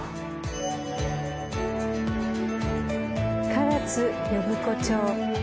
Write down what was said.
唐津呼子町。